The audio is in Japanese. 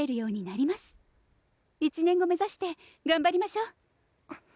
１年後目指して頑張りましょう。